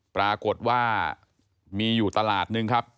ปรากฏว่ามีอยู่ตลาดนึงครับ